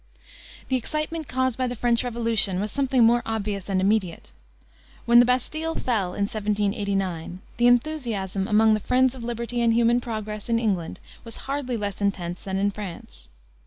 The excitement caused by the French Revolution was something more obvious and immediate. When the Bastile fell, in 1789, the enthusiasm among the friends of liberty and human progress in England was hardly less intense than in France.